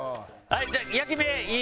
はい。